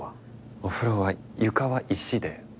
お風呂は床は石で。